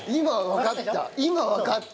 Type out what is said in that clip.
今わかった！